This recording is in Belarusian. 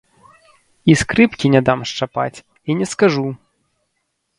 І скрыпкі не дам шчапаць, і не скажу!